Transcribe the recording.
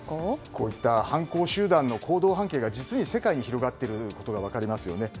こういった犯行集団の行動半径が世界に広がっていることが分かりますよね。